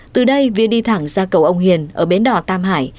từ đây viên đi thẳng ra cầu ông hiền ở bến đỏ tam hải